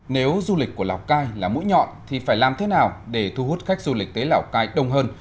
nếu du lịch của lào cai là mũi nhọn thì phải làm thế nào để thu hút khách du lịch tới lào cai đông hơn